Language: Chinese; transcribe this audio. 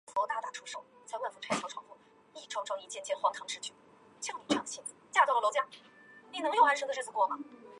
谢学锦是目前中国最了不得的勘察地球化学家。